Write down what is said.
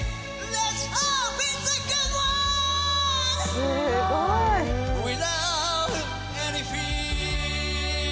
すごい。